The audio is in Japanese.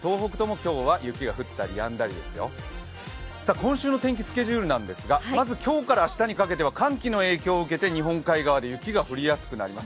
今週の天気スケジュールなんですがまず今日から明日にかけては寒気の影響を受けて日本海側で雪が降りやすくなります。